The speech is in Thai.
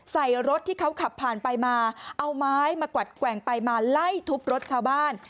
ใส่รถที่เขาขับผ่านไปมาเอาไม้มากวัดแกว่งไปมาไล่ทุบรถชาวบ้าน